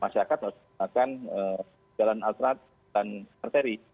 masyarakat harus menggunakan jalan alternatif dan arteri